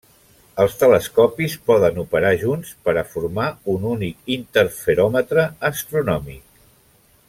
Els telescopis poden operar junts per a formar un únic interferòmetre astronòmic.